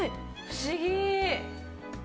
不思議！